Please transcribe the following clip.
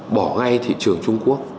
bỏ ngay thị trường trung quốc